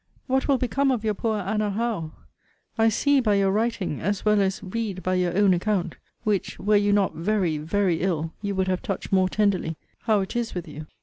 What will become of your poor Anna Howe! I see by your writing, as well as read by your own account, (which, were you not very, very ill, you would have touched more tenderly,) how it is with you!